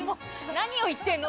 何を言ってるの？